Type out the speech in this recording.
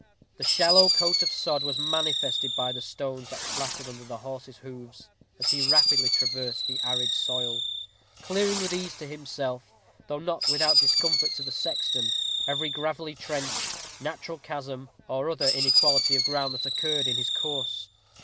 The shallow coat of sod was manifested by the stones that clattered under the horse's hoofs as he rapidly traversed the arid soil, clearing with ease to himself, though not without discomfort to the sexton, every gravelly trench, natural chasm, or other inequality of ground that occurred in his course.